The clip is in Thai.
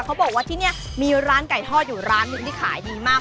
เขาบอกว่าที่นี่มีร้านไก่ทอดอยู่ร้านหนึ่งที่ขายดีมาก